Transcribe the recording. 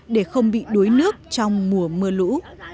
để không bị đuối nước trong mùa mưa lũ